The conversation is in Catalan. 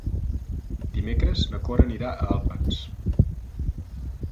Dimecres na Cora anirà a Alpens.